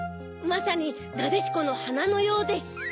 まさになでしこのはなのようです。